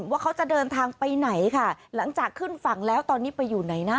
ว่าเขาจะเดินทางไปไหนค่ะหลังจากขึ้นฝั่งแล้วตอนนี้ไปอยู่ไหนนะ